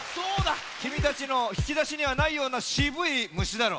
きみたちのひきだしにはないようなしぶい虫だろ。